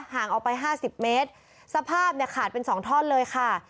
ห่างออกไป๕๐เมตรสภาพเนี่ยขาดเป็น๒ท่อนเลยค่ะ